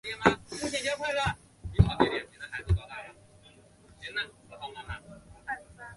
阉党及东林党崛起。